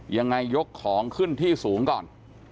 ยกของขึ้นที่สูงก่อน